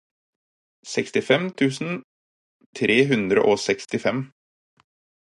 sekstifem tusen tre hundre og sekstifem